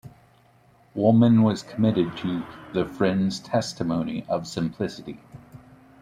Woolman was committed to the Friends' Testimony of Simplicity.